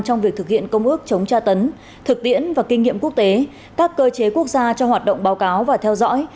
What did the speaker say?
trong việc thực hiện công ước chống tra tấn thực tiễn và kinh nghiệm quốc tế các cơ chế quốc gia cho hoạt động báo cáo và theo dõi